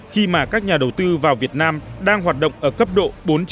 khi mà các nhà đầu tư vào việt nam đang hoạt động ở cấp độ bốn